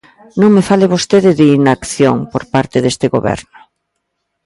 Non me fale vostede de inacción por parte deste goberno.